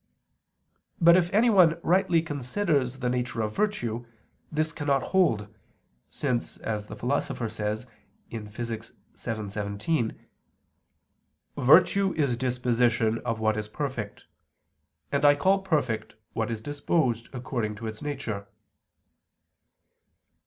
But if anyone rightly considers the nature of virtue, this cannot hold, since, as the Philosopher says (Physic. vii, text. 17), "virtue is disposition of what is perfect and I call perfect what is disposed according to its nature."